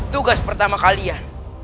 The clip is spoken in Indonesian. tugas pertama kalian